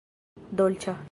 dolĉa